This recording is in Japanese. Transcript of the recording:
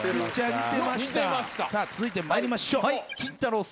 続いて参りましょう。